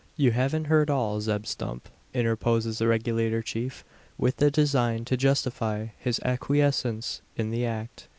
"You haven't heard all, Zeb Stump," interposes the Regulator Chief, with the design to justify his acquiescence in the act.